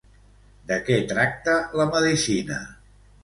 De què tracta la medicina?